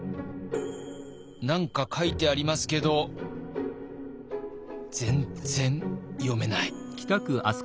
何か書いてありますけど全然読めない。